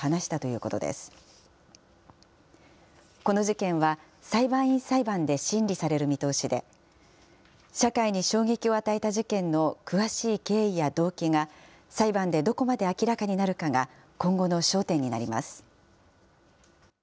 この事件は裁判員裁判で審理される見通しで、社会に衝撃を与えた事件の詳しい経緯や動機が裁判でどこまで明らかになるかが今後の焦点になります。